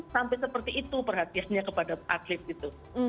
sampai seperti itu perhatiannya kepada atlet gitu